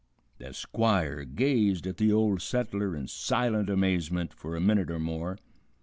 The Squire gazed at the Old Settler in silent amazement for a minute or more.